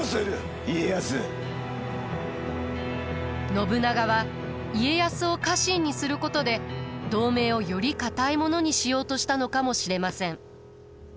信長は家康を家臣にすることで同盟をより固いものにしようとしたのかもしれません。